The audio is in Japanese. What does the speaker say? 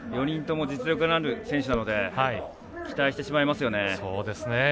４人とも実力のある選手なので期待してしまいますよね。